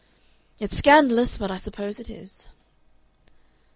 "It's scandalous, but I suppose it is."